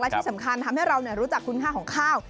ที่สำคัญทำให้เรารู้จักคุณค่าของข้าว